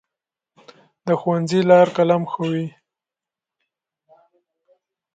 د ښوونځي لار قلم ښووي.